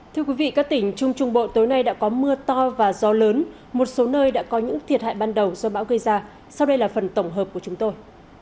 thưa quý vị các tỉnh trung trung bộ tối nay đã có mưa to và gió lớn một số nơi đã có những thiệt hại ban đầu do bão gây ra sau đây là phần tổng hợp của chúng tôi